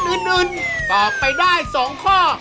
ตอบไปได้๒ข้อ